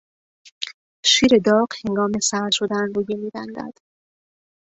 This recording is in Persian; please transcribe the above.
شیر داغ هنگام سرد شدن رویه میبندد.